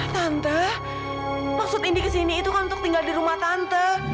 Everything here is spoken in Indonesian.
tante maksud indi ke sini itu kan untuk tinggal di rumah tante